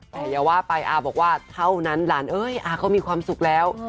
แต่อย่าว่าไปอาบอกว่าเท่านั้นหลานเอ้ยอาเขามีความสุขแล้ว